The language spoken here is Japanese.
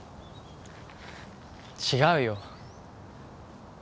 違うよ